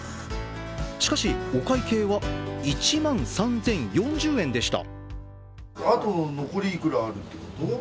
しかし、お会計は１万３０４０円でした。